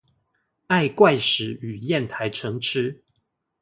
愛怪石與硯台成痴